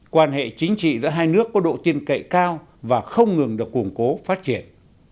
quan hệ chính trị giữa hai nước có độ tin cậy cao và không ngừng được củng cố phát triển